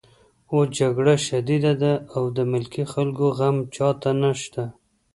اوس جګړه شدیده ده او د ملکي خلکو غم چاته نشته